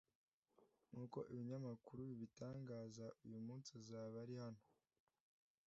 Nk’uko ibinyamakuru bibitangaza, uyu munsi azaba ari hano.